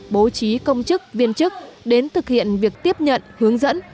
bố trí công chức viên chức đến thực hiện việc tiếp nhận hướng dẫn